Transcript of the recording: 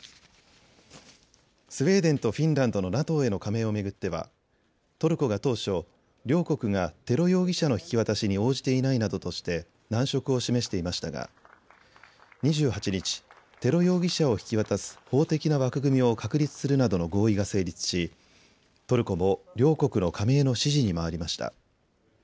スウェーデンとフィンランドのＮＡＴＯへの加盟を巡ってはトルコが当初、両国がテロ容疑者の引き渡しに応じていないなどとして難色を示していましたが２８日、テロ容疑者を引き渡す法的な枠組みを確立するなどの合意が成立しトルコも両国の加盟の支持に回りました。